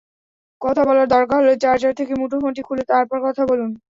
কথা বলার দরকার হলে চার্জার থেকে মুঠোফোনটি খুলে তারপর কথা বলুন।